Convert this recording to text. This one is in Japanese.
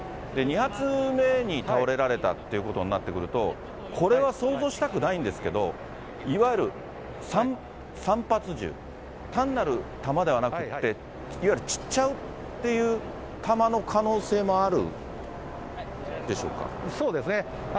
２発目に倒れられたということになってくると、これは想像したくないんですけど、いわゆる散発銃、単なる弾ではなくって、いわゆる散っちゃうっていう、弾の可能性そうですね。